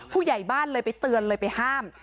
ผู้ใหญ่บ้านเลยไปเตือนเลยไปห้าม